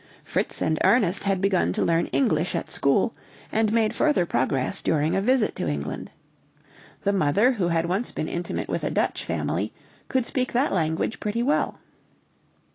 Fritz and Ernest had begun to learn English at school, and made further progress during a visit to England. The mother, who had once been intimate with a Dutch family, could speak that language pretty well.